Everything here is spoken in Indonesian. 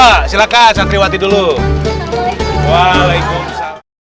assalamualaikum warahmatullahi wabarakatuh